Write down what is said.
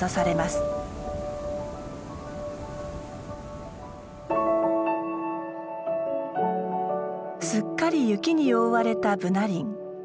すっかり雪に覆われたブナ林。